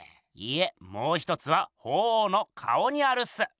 いえもう一つは鳳凰の顔にあるっす。